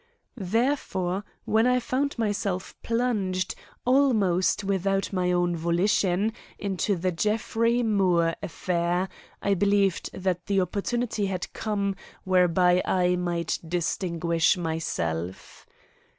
Therefore, when I found myself plunged, almost without my own volition, into the Jeffrey Moore affair, I believed that the opportunity had come whereby I might distinguish myself.